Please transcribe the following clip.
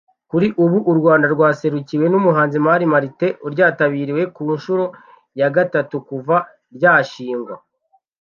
Kuri ubu u Rwanda rwaserukiwe n’umuhanzi Mani Martin uryatabiriye ku nshuro ya gatatu kuva ryashingwa